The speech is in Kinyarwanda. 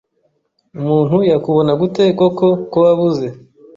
Umuntu yakubona gute koko ko wabuze